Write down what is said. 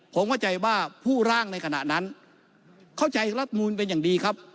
ผมเข้าใจว่าผู้ร่างในขณะนั้นเข้าใจรัฐมูลเป็นอย่างดีครับ